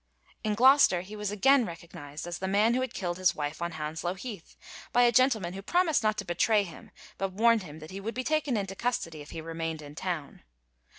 In Gloucester he was again recognized as the man who had killed his wife on Hounslow Heath, by a gentleman who promised not to betray him, but warned him that he would be taken into custody if he remained in town.